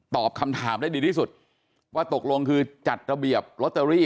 ตอบคำถามได้ดีที่สุดว่าตกลงคือจัดระเบียบลอตเตอรี่